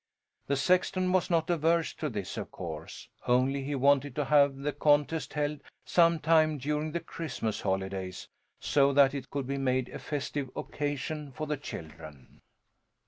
The sexton was not averse to this, of course, only he wanted to have the contest held some time during the Christmas holidays, so that it could be made a festive occasion for the children.